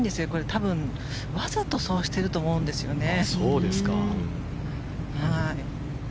多分、わざとそうしていると思うんですよね。